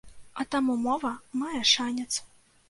А таму мова мае шанец.